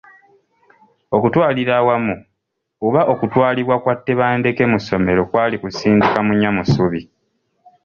Okutwalira awamu, oba okutwalibwa kwa Tebandeke mu ssomero kwali kusindika munnya mu ssubi.